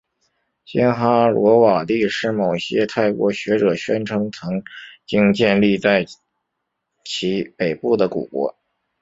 辛哈罗瓦帝是某些泰国学者宣称曾经建立在其北部的古国。